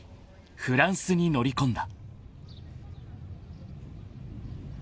フランスに乗り込んだ］